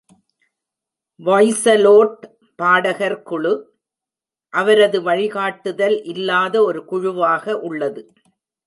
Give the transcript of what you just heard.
வொய்சலோட் பாடகர் குழு அவரது வழிகாட்டுதல் இல்லாத ஒரு குழுவாக உள்ளது.